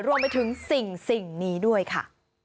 รวมไปถึงสิ่งนี้ด้วยค่ะ